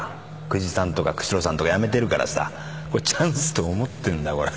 久慈さんとか久代さんとか辞めてるからさチャンスと思ってんだ